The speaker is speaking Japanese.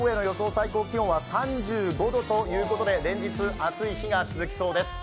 最高気温は３５度ということで連日暑い日が続きそうです。